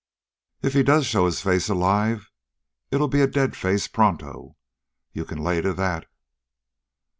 "If he does show his face alive, it'll be a dead face pronto. You can lay to that."